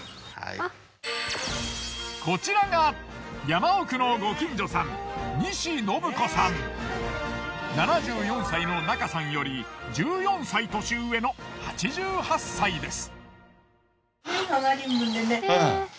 こちらが山奥の７４歳の中さんより１４歳年上の８８歳です。